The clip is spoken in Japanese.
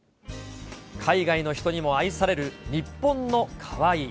海外の人にも愛される日本のカワイイ。